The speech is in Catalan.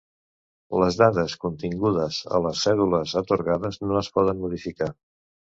Les dades contingudes a les cèdules atorgades no es poden modificar.